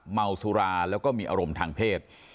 เมาสุราแล้วก็มีอารมณ์ทางเพศ